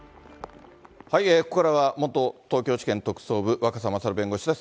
ここからは元東京地検特捜部、若狭勝弁護士です。